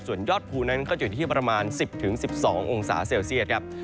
ส่วนยอดภูนั้นก็อยู่ที่ประมาณ๑๐๑๒องศาเซลเซียตครับ